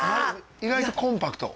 意外とコンパクト。